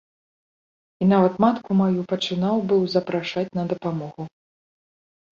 І нават матку маю пачынаў быў запрашаць на дапамогу.